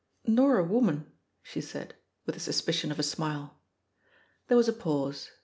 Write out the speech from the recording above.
"Nor a woman," she said, with the suspicion of a smile. There was a pause.